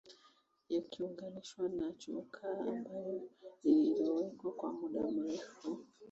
yakiunganishwa na chokaa ambayo ililowekwa kwa muda mrefu